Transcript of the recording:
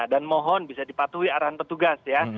dan mohon bisa dipatuhi arahan petugas ya